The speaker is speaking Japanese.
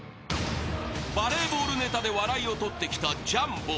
［バレーボールネタで笑いを取ってきたジャンボ］